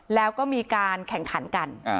แล้วก็มีการแข่งขันกัน